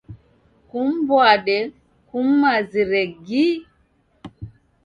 Kum'mbwade kum'mazire gi.